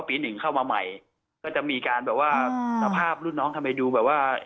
ปีหนึ่งเข้ามาใหม่ก็จะมีการแบบว่าสภาพรุ่นน้องทำไมดูแบบว่า